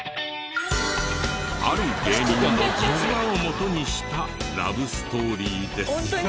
ある芸人の実話を元にしたラブストーリーです。